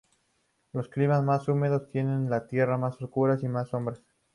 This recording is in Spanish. Los climas más húmedos tienen las tierras más oscuras, y más sombra.